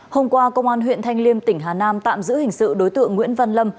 hôm qua công an huyện thanh liêm tỉnh hà nam tạm giữ hình sự đối tượng nguyễn văn lâm